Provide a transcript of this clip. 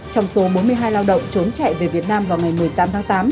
trong số bốn mươi hai lao động trốn chạy về việt nam vào ngày một mươi tám tháng tám